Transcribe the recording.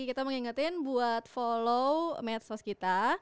kita mengingatkan buat follow medsos kita